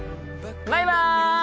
バイバイ！